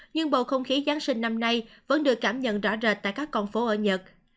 nhưng bầu không khí giáng sinh năm nay vẫn được cảm nhận rõ rệt tại các con phố ở nhật